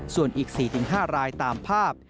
ส่วนอีก๔๕รายตามภาพ